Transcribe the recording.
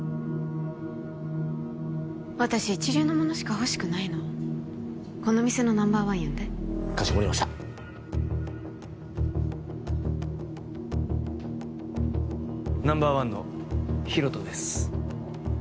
私一流のものしか欲しくないのこの店のナンバーワン呼んでかしこまりましたナンバーワンのヒロトです